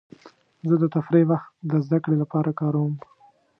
زه د تفریح وخت د زدهکړې لپاره کاروم.